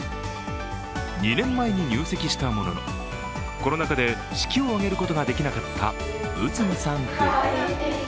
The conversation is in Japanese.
２年前に入籍したもののコロナ禍で式を挙げることができなかった内海さん夫婦。